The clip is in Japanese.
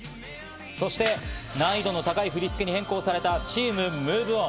そして、難易度の高い振り付けに変更されたチームＭｏｖｅＯｎ。